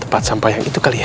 tepat sampai yaitu kali ya